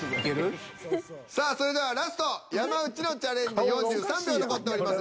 さあそれではラスト山内のチャレンジ４３秒残っております。